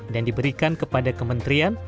dan diberikan kepada kementerian